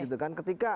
gitu kan ketika